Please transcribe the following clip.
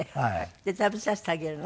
で食べさせてあげるの？